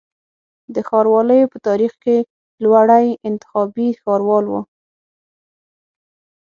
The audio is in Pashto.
د ښاروالیو په تاریخ کي لوړی انتخابي ښاروال و